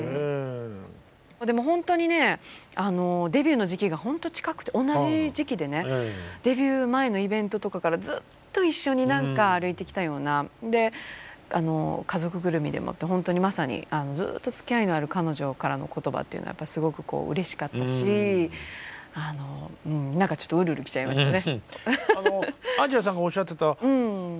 でもほんとにねデビューの時期がほんと近くて同じ時期でねデビュー前のイベントとかからずっと一緒に何か歩いてきたようなで家族ぐるみでもって本当にまさにずっとつきあいのある彼女からの言葉っていうのはやっぱりすごくうれしかったし何かちょっとうるうるきちゃいましたね。